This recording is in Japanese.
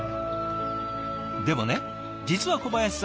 でもね実は小林さん